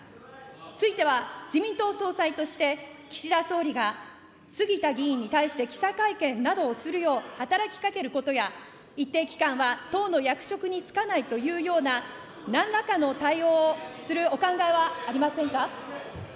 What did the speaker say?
ついては、自民党総裁として、岸田総理が杉田議員に対して記者会見などをするよう働きかけることや、一定期間は党の役職に就かないというようななんらかの対応をするお考えはありませんか。